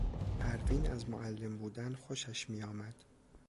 پروین از معلم بودن خوشش میآمد.